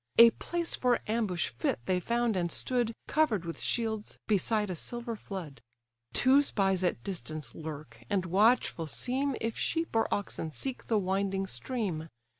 A place for ambush fit they found, and stood, Cover'd with shields, beside a silver flood. Two spies at distance lurk, and watchful seem If sheep or oxen seek the winding stream.